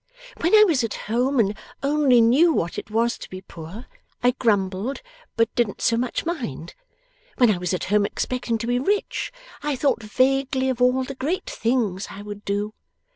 When I was at home, and only knew what it was to be poor, I grumbled but didn't so much mind. When I was at home expecting to be rich, I thought vaguely of all the great things I would do.